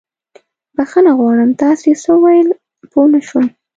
بښنه غواړم، تاسې څه وويل؟ پوه نه شوم.